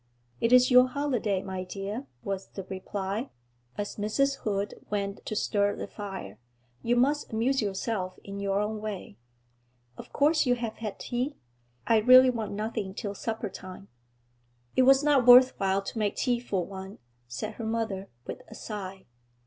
'It is your holiday, my dear,' was the reply, as Mrs. Hood went to stir the fire. 'You must amuse yourself in your own way.' 'Of course you have had tea. I really want nothing till supper time.' 'It was not worth while to make tea for one,' said her mother, with a sigh.